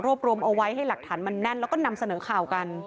รวมเอาไว้ให้หลักฐานมันแน่นแล้วก็นำเสนอข่าวกัน